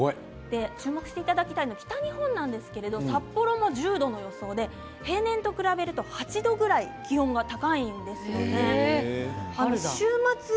注目していただきたいのは北日本なんですけれど札幌も１０度の予想で平年と比べると８度くらい気温が高いんですね。